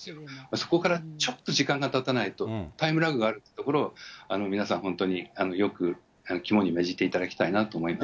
そこからちょっと時間がたたないと、タイムラグがあるというところを、皆さん本当に、よく肝に銘じていただきたいなと思います。